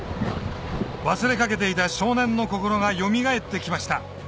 忘れかけていた少年の心がよみがえってきました